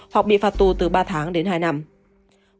hoặc bị phạt tù từ ba tháng đến hai năm